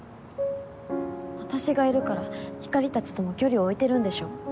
私がいるからひかりたちとも距離を置いてるんでしょ？